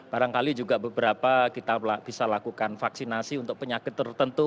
barangkali juga beberapa kita bisa lakukan vaksinasi untuk penyakit tertentu